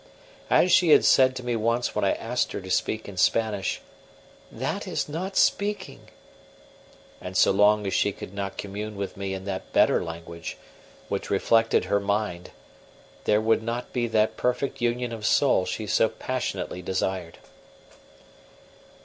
As she had said to me once when I asked her to speak in Spanish, "That is not speaking." And so long as she could not commune with me in that better language, which reflected her mind, there would not be that perfect union of soul she so passionately desired.